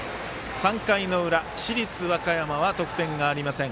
３回の裏、市立和歌山は得点がありません。